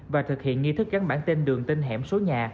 và thực hiện nghi thức gắn bản tên đường tin hẻm số nhà